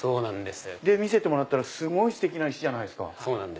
で見せてもらったらすごいステキな石じゃないですか。